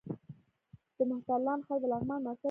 د مهترلام ښار د لغمان مرکز دی